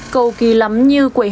cầu kỳ lắm như quầy hàng